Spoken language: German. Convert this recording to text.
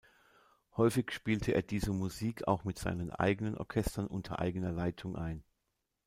Häufig spielte er diese Musik auch mit seinen Orchestern unter eigener Leitung ein.